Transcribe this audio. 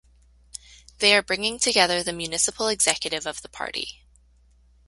They are bringing together the municipal executive of the party.